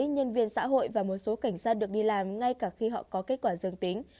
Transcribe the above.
nhân viên xã hội và một số cảnh sát được đi làm ngay cả khi họ có kết quả dương tính